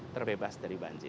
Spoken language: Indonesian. terbebas dari banjir